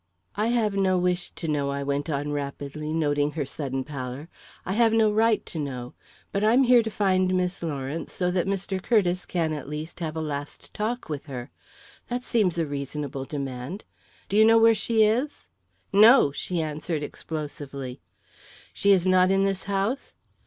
"I have no wish to know," I went on rapidly, noting her sudden pallor. "I have no right to know. But I'm here to find Miss Lawrence so that Mr. Curtiss can, at least, have a last talk with her. That seems a reasonable demand. Do you know where she is?" "No!" she answered explosively. "She is not in this house?"